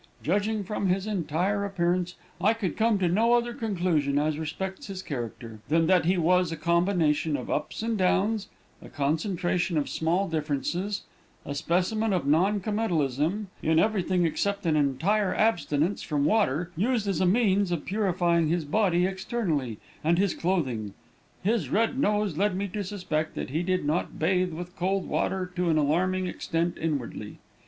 Judging from his entire appearance, I could come to no other conclusion as respects his character, than that he was a combination of ups and downs, a concentration of small differences, a specimen of non committalism in everything except an entire abstinence from water used as a means of purifying his body externally, and his clothing. His red nose led me to suspect that he did not bathe with cold water to an alarming extent inwardly.